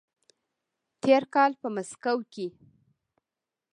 تېر کال په مسکو کې